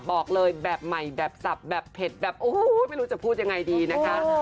บอกเลยแบบใหม่แบบสับแบบเผ็ดแบบโอ้โหไม่รู้จะพูดยังไงดีนะคะ